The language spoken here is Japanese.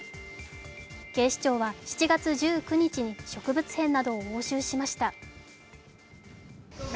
警視庁は７月１９日に植物片などを押収しました。